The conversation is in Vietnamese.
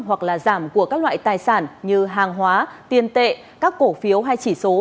hoặc là giảm của các loại tài sản như hàng hóa tiền tệ các cổ phiếu hay chỉ số